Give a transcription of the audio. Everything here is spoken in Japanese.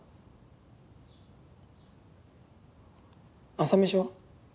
朝飯は？